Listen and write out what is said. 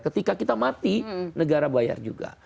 ketika kita mati negara bayar juga